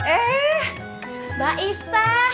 eh mbak isah